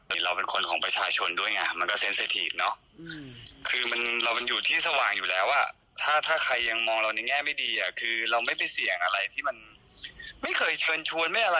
ที่ก็เป็นส่วนหนึ่งที่ลงทุนยอมรับเท่านั้นเอง